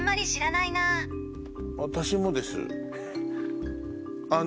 私もです。